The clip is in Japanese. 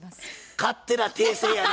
勝手な訂正やね